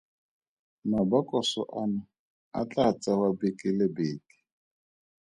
Mabokoso ano a tla tsewa beke le beke.